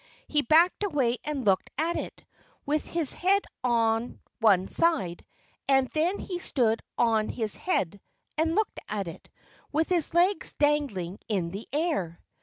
He backed away and looked at it, with his head on one side; and then he stood on his head and looked at it, with his legs dangling in the air.